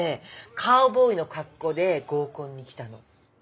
カウボーイの格好で合コンに来たの。